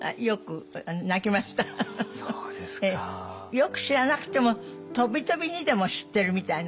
よく知らなくてもとびとびにでも知ってるみたいな。